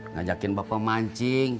ngajakin bapak mancing